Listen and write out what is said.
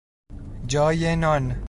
جای نان